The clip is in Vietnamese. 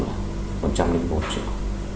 còn trả một triệu